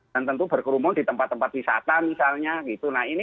dan tentu berkerumun di tempat tempat wisata misalnya gitu